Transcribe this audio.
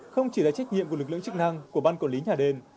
không chỉ là trách nhiệm của lực lượng chức năng của ban quản lý nhà đền